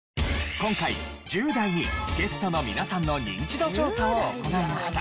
今回１０代にゲストの皆さんのニンチド調査を行いました。